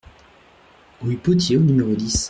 Rue Potier au numéro dix